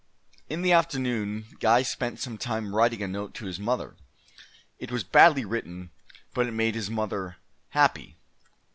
In the afternoon Guy spent some time writing a note to his mother. It was badly written, but it made his mother happy.